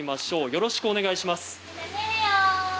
よろしくお願いします。